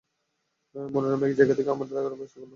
মনোরম এক জায়গায় আমার থাকার ব্যবস্থা করল।